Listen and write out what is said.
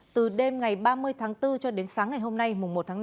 từ đêm ngày ba mươi tháng bốn cho đến sáng ngày hôm nay mùng một tháng năm